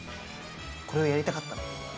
これをやりたかったの。